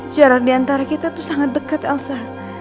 jalan diantara kita tuh sangat dekat elsa